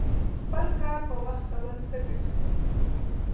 خپل کار په وخت کول څه ګټه لري؟